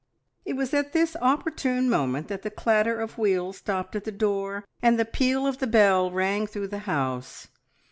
It was at this opportune moment that the clatter of wheels stopped at the door and the peal of the bell rang through the house.